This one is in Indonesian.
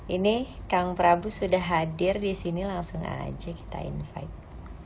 ini kang prabu sudah hadir di sini langsung aja kita invite